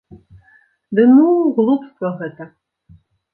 Ды ну, глупства гэта.